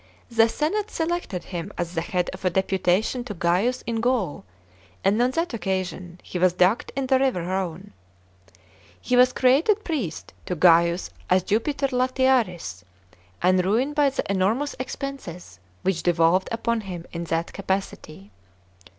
The senate selected him as the head of a deputation to Gaius in Gaul, and on that occasion he was ducked in the river Rhone. He was created priest to Gaius as Jupiter Latiaris, and ruined by the enormous expenses which devolved upon him in that capacity.